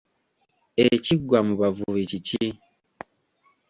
Ekiggwa mu bavubi kiki?